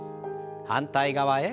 反対側へ。